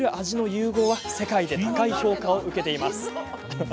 味の融合は世界で高い評価を受けています。